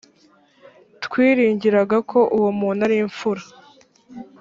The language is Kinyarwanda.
twiringiraga ko uwo muntu ari imfura.